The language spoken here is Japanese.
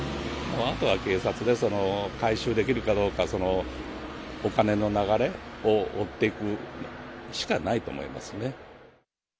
あとは警察で回収できるかどうか、お金の流れを追っていくしかないと思いますね。